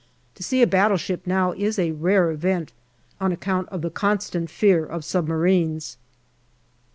To see a battleship now is a rare event, on account of the constant fear of submarines.